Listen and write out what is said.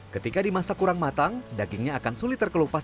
ketika dimasak kurang matang dagingnya akan sulit terkelupas